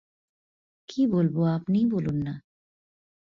কী বলব আপনিই বলুন-না।